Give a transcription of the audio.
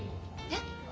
えっ？